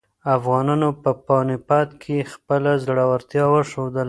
افغانانو په پاني پت کې خپله زړورتیا وښودله.